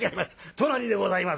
隣でございます。